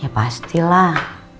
ya pasti lah